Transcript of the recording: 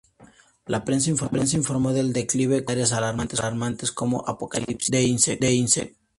La prensa informó del declive con titulares alarmantes, como "Apocalipsis de insectos".